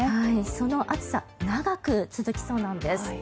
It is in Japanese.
その暑さ長く続きそうなんです。